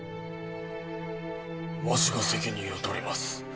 わしが責任を取ります